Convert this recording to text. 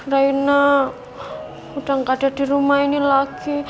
reina udah gak ada dirumah ini lagi